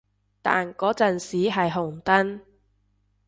但嗰陣時係紅燈